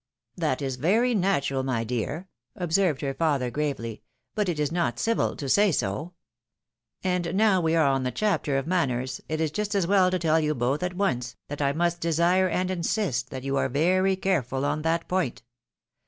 " That is very natural, my dear," observed her father, gravely :" but it is not civil to say so. And now we. are on the chapter of manners, it is just as well to tell you both at once, that I must desire and insist that you are very careful on that point.